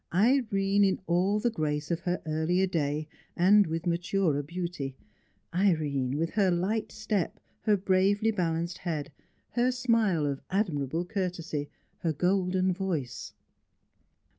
Irene in all the grace of her earlier day, and with maturer beauty; Irene with her light step, her bravely balanced head, her smile of admirable courtesy, her golden voice.